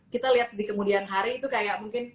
kita lihat di kemudian hari itu kayak mungkin